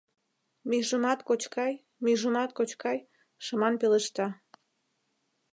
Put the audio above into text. Мӱйжымат кочкай, мӱйжымат кочкай, — шыман пелешта.